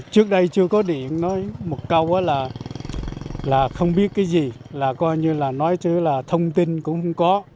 trước đây chưa có điện nói một câu là không biết cái gì là coi như là nói chứ là thông tin cũng không có